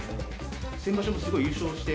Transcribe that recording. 先場所もすごい優勝して。